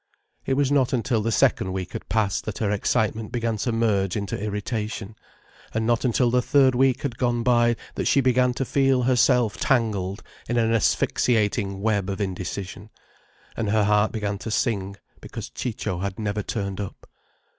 It was not until the second week had passed that her excitement began to merge into irritation, and not until the third week had gone by that she began to feel herself entangled in an asphyxiating web of indecision, and her heart began to sing because Ciccio had never turned up.